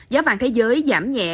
giá vàng thế giới giảm nhẹ